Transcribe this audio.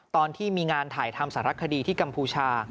ตอนที่มีงานถ่ายทำสารคดีที่กัมพูชา